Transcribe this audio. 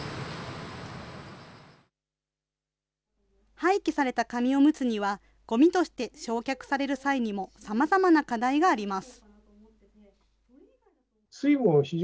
廃棄された紙おむつには、ごみとして焼却される際にもさまざまな課題があります。